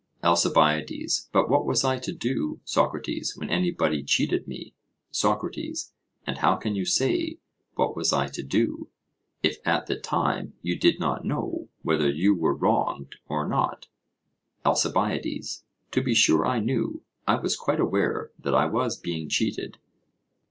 ALCIBIADES: But what was I to do, Socrates, when anybody cheated me? SOCRATES: And how can you say, 'What was I to do'? if at the time you did not know whether you were wronged or not? ALCIBIADES: To be sure I knew; I was quite aware that I was being cheated.